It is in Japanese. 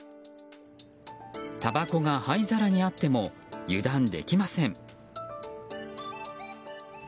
たばこが灰皿にあっても油断できません。